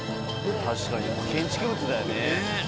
確かに建築物だよね。